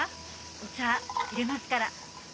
お茶入れますから。